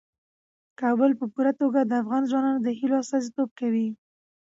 کابل په پوره توګه د افغان ځوانانو د هیلو استازیتوب کوي.